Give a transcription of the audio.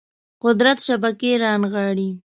قدرت شبکې رانغاړي